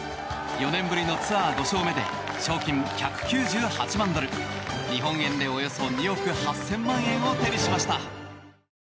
４年ぶりのツアー５勝目で賞金１９８万ドル日本円でおよそ２億８０００万円を手にしました。